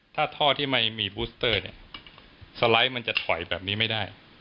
ถ้าท่อที่ไม่มีบูสเตอร์เนี่ยสไลด์มันจะถอยแบบนี้ไม่ได้